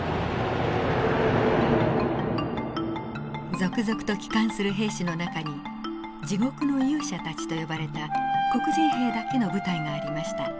続々と帰還する兵士の中に「地獄の勇者たち」と呼ばれた黒人兵だけの部隊がありました。